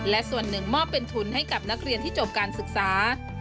และส่วนหนึ่งมอบเป็นทุนให้กับนักเรียนที่จบการศึกษา